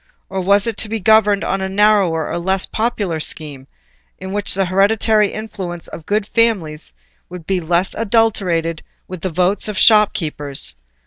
or, was it to be governed on a narrower and less popular scheme, in which the hereditary influence of good families would be less adulterated with the votes of shopkeepers.